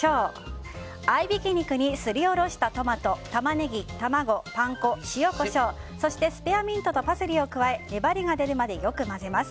合いびき肉にすりおろしたトマトタマネギ、卵、パン粉塩、コショウそしてスペアミントとパセリを加え粘りが出るまでよく混ぜます。